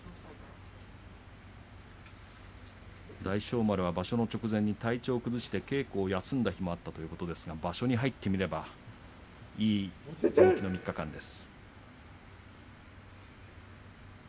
大翔丸は場所の直前に体調を崩して稽古を休んだということもあったんですが場所に入ってからはいい動きの３日間です。